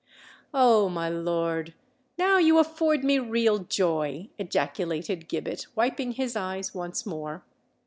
"Oh! my lord—now you afford me real joy!" ejaculated Gibbet, wiping his eyes once more.